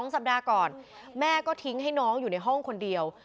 สัปดาห์ก่อนแม่ก็ทิ้งให้น้องอยู่ในห้องคนเดียว